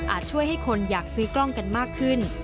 ช่วยให้คนอยากซื้อกล้องกันมากขึ้น